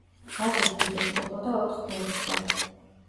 გაზეთი იბეჭდებოდა ოთხ გვერდზე.